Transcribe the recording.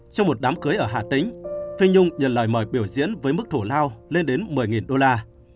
trong một đám cưới ở hà tĩnh phi nhung nhận lời mời biểu diễn với mức thổ lao lên đến một mươi đô la